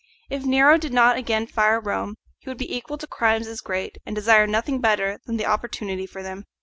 If Nero did not again fire Rome he would be equal to crimes as great, and desire nothing better than the opportunity for them.